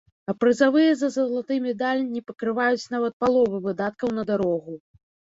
А прызавыя за залаты медаль не пакрываюць нават паловы выдаткаў на дарогу.